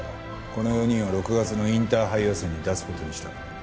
この４人を６月のインターハイ予選に出す事にした。